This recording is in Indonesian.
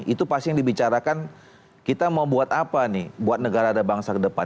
itu pasti yang dibicarakan kita mau buat apa nih buat negara dan bangsa ke depan